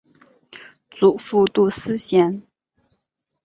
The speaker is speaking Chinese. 祖父杜思贤。